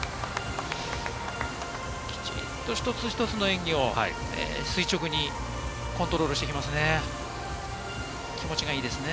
きちんと一つ一つの演技を垂直にコントロールしてきますよね。